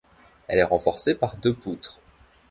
Elle est renforcée par deux poutres.